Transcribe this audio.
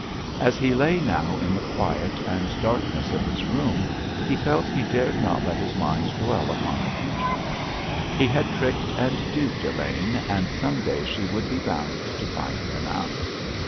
As he lay now in the quiet and darkness of his room, he felt he dared not let his mind dwell upon the future. He had tricked and duped Elaine, and some day she would be bound to find him out.